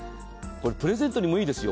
プレゼントにもいいですよ。